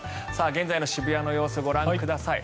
現在の渋谷の様子ご覧ください。